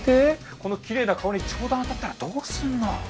このキレイな顔に跳弾当たったらどうすんの？